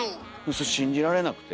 それ信じられなくて。